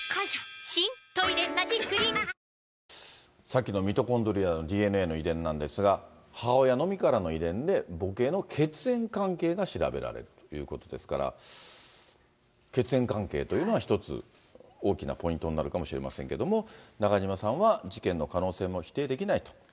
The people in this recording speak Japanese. さっきのミトコンドリアのＤＮＡの遺伝なんですが、母親のみからの遺伝で、母系の血縁関係が調べられるということですから、血縁関係というのは一つ、大きなポイントになるかもしれませんけども、中島さんは事件の可能性も否定できないと。